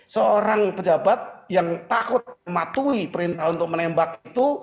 seorang pejabat yang takut mematuhi perintah untuk menembak itu